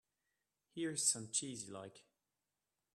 Here's some cheese you like.